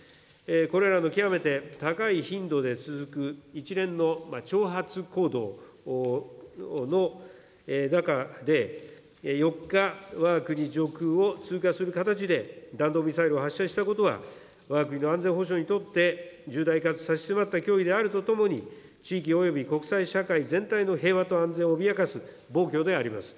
これらの極めて高い頻度で続く一連の挑発行動の中で、４日、わが国上空を通過する形で弾道ミサイルを発射したことは、わが国の安全保障にとって、重大かつ差し迫った脅威であるとともに、地域および国際社会全体の平和と安全を脅かす暴挙であります。